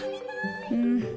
うん。